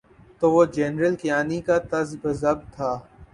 تو وہ جنرل کیانی کا تذبذب تھا۔